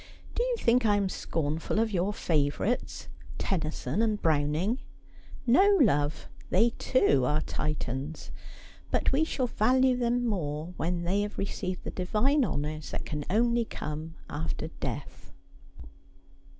Do you think I am scornful of your favourites, Tennyson and Browning ? No, love. They, too, are Titans ; but we shall value them more when they have received the divine honours that can only come after death.